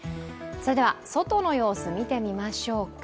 外の様子を見てみましょうか。